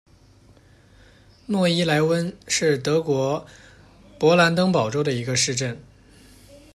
诺伊莱温是德国勃兰登堡州的一个市镇。